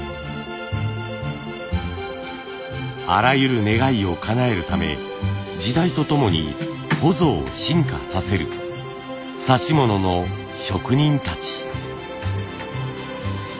あらゆる願いをかなえるため時代とともにほぞを進化させる指物の職人たち。